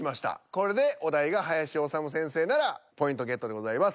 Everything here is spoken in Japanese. これでお題が林修先生ならポイントゲットでございます。